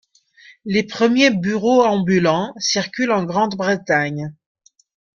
Les premiers bureaux ambulants circulent en Grande-Bretagne.